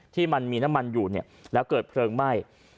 ที่มันมีน้ำมันอยู่แล้วเกิดเพลิงไหม้